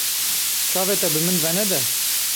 Çavê te bi min venede?